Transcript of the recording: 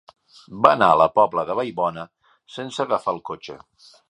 Va anar a la Pobla de Vallbona sense agafar el cotxe.